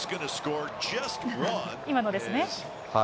今のですね？